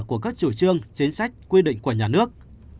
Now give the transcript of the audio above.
của các chủ trương chính sách quy định của nhà nước